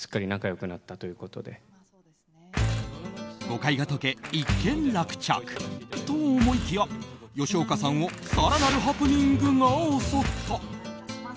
誤解が解け一件落着と思いきや吉岡さんを更なるハプニングが襲った。